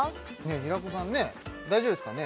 平子さんねえ大丈夫ですかね